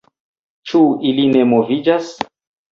Ĉu ili ne moviĝas?